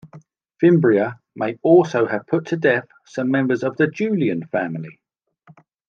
Fimbria may also have put to death some members of the Julian family.